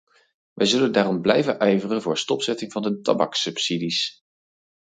Wij zullen daarom blijven ijveren voor stopzetting van de tabakssubsidies.